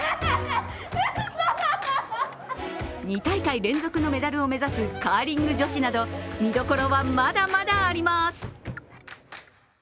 ２大会連続のメダルを目指すカーリング女子など見どころはまだまだあります。